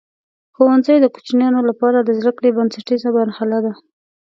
ښوونځی د کوچنیانو لپاره د زده کړې بنسټیزه مرحله ده.